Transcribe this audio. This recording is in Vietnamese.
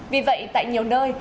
vì vậy tại nhiều nơi